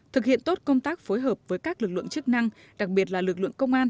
thực hiện tốt công tác phối hợp với các lực lượng chức năng đặc biệt là lực lượng công an